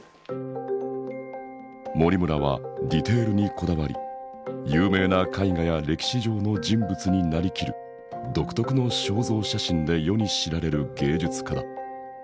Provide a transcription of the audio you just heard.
森村はディテールにこだわり有名な絵画や歴史上の人物に成りきる独特の肖像写真で世に知られる芸術家だ。